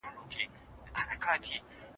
ستاسو په ذهن کي به د امید لمر ځلیږي.